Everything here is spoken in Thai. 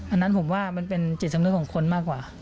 อันนั้นผมว่ามันเป็นจิตสำนึกของคนมากกว่า